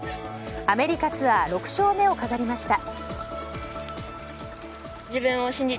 アメリカツアー６勝目を飾りました。